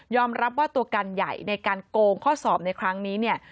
รับว่าตัวการใหญ่ในการโกงข้อสอบในครั้งนี้เนี่ย